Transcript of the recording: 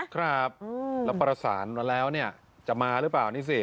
ครับแล้วประสานมาแล้วเนี่ยจะมาหรือเปล่านี่สิ